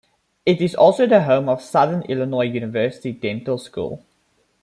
It is also the home of Southern Illinois University Dental School.